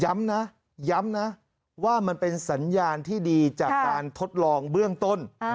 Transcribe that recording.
ย้ำนะย้ำนะว่ามันเป็นสัญญาณที่ดีจากการทดลองเบื้องต้น